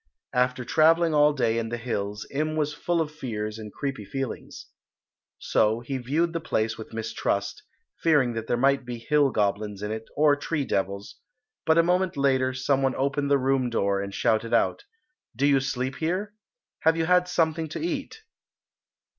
After travelling all day in the hills Im was full of fears and creepy feelings. So he viewed the place with mistrust, fearing that there might be hill goblins in it or tree devils, but a moment later some one opened the room door and shouted out, "Do you sleep here? Have you had something to eat?"